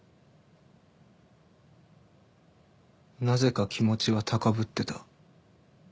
なぜか気持ちは高ぶってた。